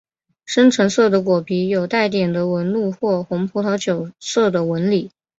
深橙色的果皮有带点的纹路或红葡萄酒色的纹理。